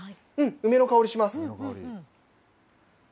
梅の香りします。